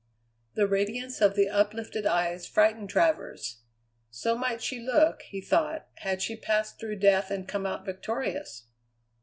The radiance of the uplifted eyes frightened Travers. So might she look, he thought, had she passed through death and come out victorious.